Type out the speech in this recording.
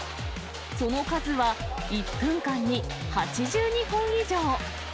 その数は１分間に８２本以上。